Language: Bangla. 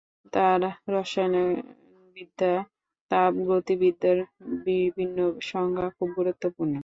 তাপ রসায়নবিদ্যায় তাপগতিবিদ্যার বিভিন্ন সংজ্ঞা খুব গুরুত্বপূর্ণ।